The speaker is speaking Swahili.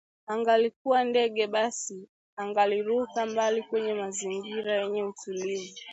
Angalikuwa ndege basi angaliruka mbali kwenye mazingira yenye utulivu